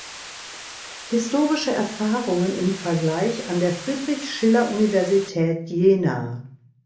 Historische Erfahrungen im Vergleich" an der Friedrich-Schiller-Universität Jena.